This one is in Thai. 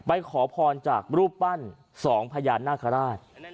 ขอพรจากรูปปั้น๒พญานาคาราช